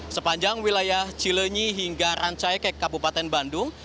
sepanjang wilayah cilenyi hingga rancaikek kabupaten bandung